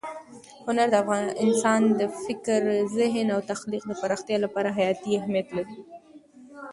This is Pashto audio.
هنر د انسان د فکر، ذهن او تخلیق د پراختیا لپاره حیاتي اهمیت لري.